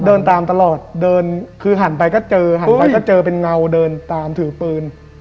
เดินตามตลอดเดินคือหันไปก็เจอหันไปก็เจอเป็นเงาเดินตามถือปืน